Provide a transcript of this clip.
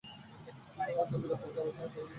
আমি আজ রাহুলকে আবার হারিয়ে দিয়েছি।